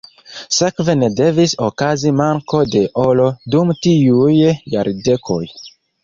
Sekve ne devis okazi manko de oro dum tiuj jardekoj.